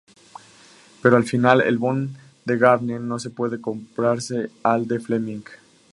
Pero al final el Bond de Gardner no puede compararse al de Fleming.